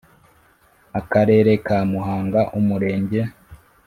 Akarere ka Muhanga Umurenge